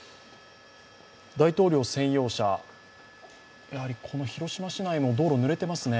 大統領専用車、やはりこの広島市内も道路ぬれていますね。